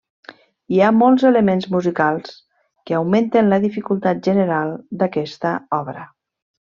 Hi ha molts elements musicals que augmenten la dificultat general d'aquest obra.